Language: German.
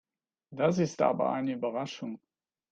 Das ist aber eine Überraschung.